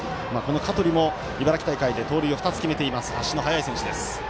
香取も茨城大会で盗塁を２つ決めている足の速い選手です。